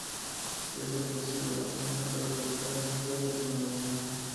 Esta especie de ave se encuentra localizada en Australia y Nueva Guinea.